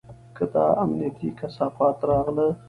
که دا امنيتي کثافات راغله.